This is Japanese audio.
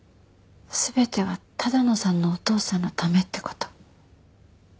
全ては多田野さんのお父さんのためって事？